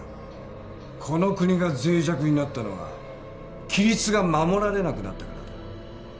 この国が脆弱になったのは規律が守られなくなったからだ。